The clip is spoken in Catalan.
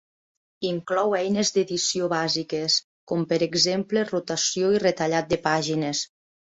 Inclou eines d'edició bàsiques, com per exemple rotació i retallat de pàgines.